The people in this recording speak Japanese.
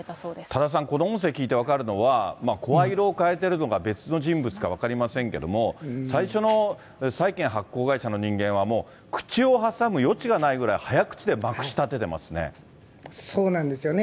多田さん、この音声聞いて分かるのは、声色を変えているのか別の人物か分かりませんけど、最初の債権発行会社の人間はもう、口をはさむ余地がないくらい、そうなんですよね。